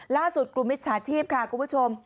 กลุ่มมิจฉาชีพค่ะคุณผู้ชม